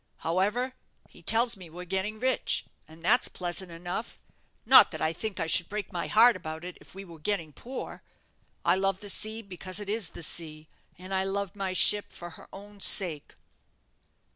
However, he tells me we're getting rich, and that's pleasant enough not that I think I should break my heart about it if we were getting poor. I love the sea because it is the sea, and I love my ship for her own sake."